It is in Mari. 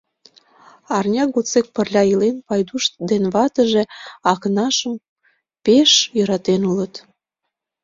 Арня годсек пырля илен, Пайдуш ден ватыже Акнашым пеш йӧратен улыт.